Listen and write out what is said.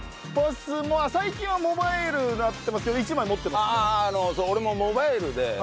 最近はモバイルになってますけど一枚持ってますね。